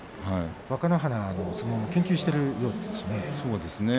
若乃花の相撲を研究しているようですしね。